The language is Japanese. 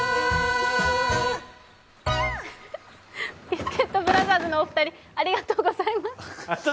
ビスケットブラザーズのお二人ありがとうございます。